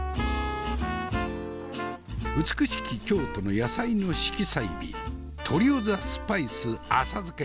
美しき京都の野菜の色彩美トリオ・ザ・スパイス浅漬け。